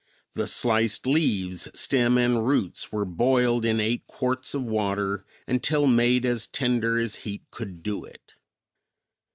The sliced leaves, stem and roots were boiled in eight quarts of water until made as tender as heat could do it.